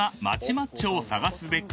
マッチョを探すべく］